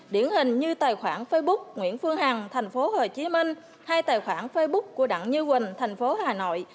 điển hình như tài khoản facebook nguyễn phương hằng tp hcm hay tài khoản facebook của đặng như quỳnh thành phố hà nội